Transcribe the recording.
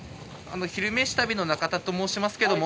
「昼めし旅」の中田と申しますけれども。